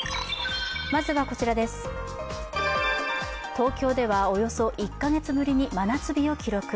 東京ではおよそ１か月ぶりに真夏日を記録。